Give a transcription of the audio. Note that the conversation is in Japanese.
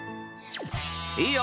いいよ！